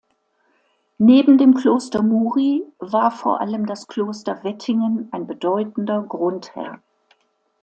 Neben dem Kloster Muri war vor allem das Kloster Wettingen ein bedeutender Grundherr.